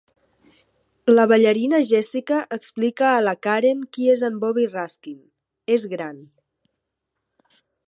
La ballarina Jessica explica a la Karen qui és en Bobby Raskin: "És gran".